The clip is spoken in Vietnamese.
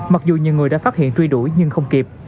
mặc dù nhiều người đã phát hiện truy đuổi nhưng không kịp